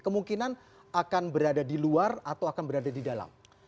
kemungkinan akan berada di luar atau akan berada di dalam